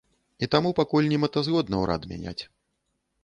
І таму пакуль немэтазгодна ўрад мяняць.